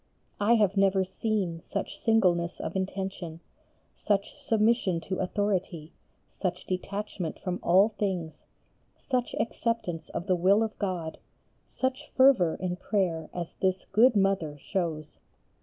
I have never seen such singleness of intention, such submission to authority, such detachment from all things, such acceptance of the will of God, such fervour in prayer as this good Mother shows.